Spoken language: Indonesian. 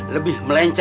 lebih melenceng anjir